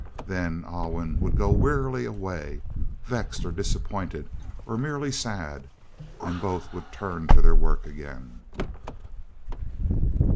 Then Alwyn would go wearily away, vexed or disappointed, or merely sad, and both would turn to their work again.